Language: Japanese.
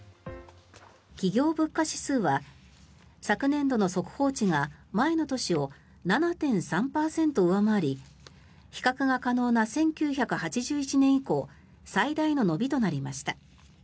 企業物価指数は昨年度の速報値が前の年を７．３％上回り比較が可能な１９８１年以降最大の伸びとなりました。